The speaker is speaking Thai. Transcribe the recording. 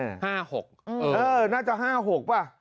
เออน่าจะ๕๖ป่ะ